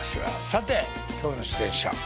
さて今日の出演者。